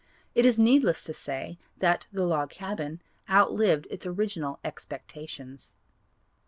It is needless to say that the Log Cabin outlived its original expectations.